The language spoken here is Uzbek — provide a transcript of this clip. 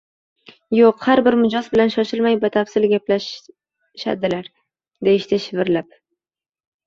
Yo`q, har bir mijoz bilan shoshilmay, batafsil gaplashadilar, deyishdi shivirlab